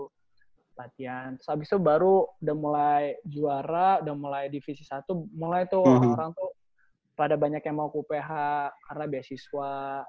latihan terus abis itu baru udah mulai juara udah mulai divisi satu mulai tuh orang tuh pada banyak yang mau ke uph karena beasiswa